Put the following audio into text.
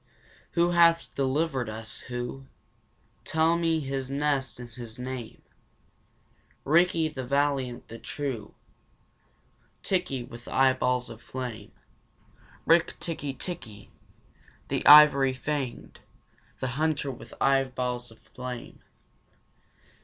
Who hath delivered us, who? Tell me his nest and his name. Rikki, the valiant, the true, Tikki, with eyeballs of flame, Rik tikki tikki, the ivory fanged, the hunter with eyeballs of flame.